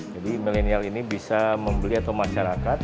jadi milenial ini bisa membeli atau masyarakat